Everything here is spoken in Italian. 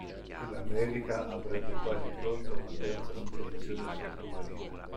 E l’America avrebbe quasi pronta una terza spedizione sottomarina